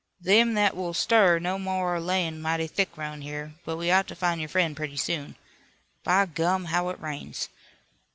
"Them that will stir no more are layin' mighty thick 'roun' here, but we ought to find your friend pretty soon. By gum, how it rains!